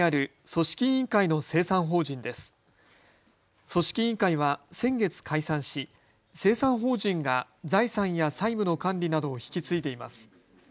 組織委員会は先月、解散し清算法人が財産や債務の管理などを引き継いでいます。